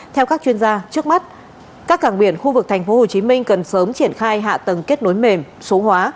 theo các chuyên gia trước mắt các cảng biển khu vực tp hcm cần sớm triển khai hạ tầng kết nối mềm số hóa